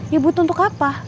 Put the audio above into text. ya butuh untuk apa